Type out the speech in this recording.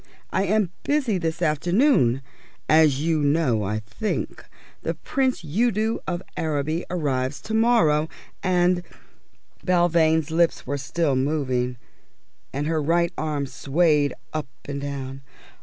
I am busy this afternoon. As you know, I think, the Prince Udo of Araby arrives to morrow, and " Belvane's lips were still moving, and her right arm swayed up and down.